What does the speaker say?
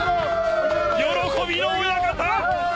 喜びの親方。